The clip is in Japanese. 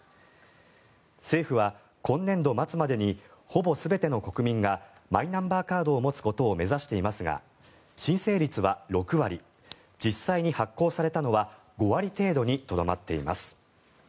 政府は今年度末までにほぼ全ての国民がマイナンバーカードを持つことを目指していますが申請率は６割実際に発行されたのは５割程度にとどまっています。